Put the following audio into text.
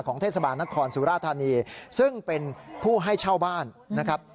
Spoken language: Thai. เทศบาลนครสุราธานีซึ่งเป็นผู้ให้เช่าบ้านนะครับ